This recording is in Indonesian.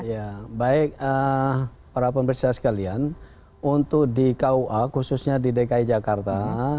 ya baik para pemerintah sekalian untuk di kua khususnya di dki jakarta